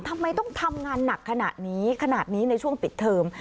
ทำไมต้องทำงานหนักขนาดนี้ขนาดนี้ในช่วงปิดเทอม